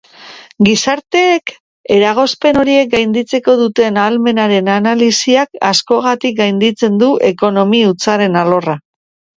Gizarteek eragozpen horiek gainditzeko duten ahalmenaren analisiak askogatik gainditzen du ekonomi hutsaren alorra.